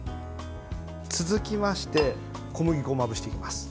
続きまして小麦粉をまぶしていきます。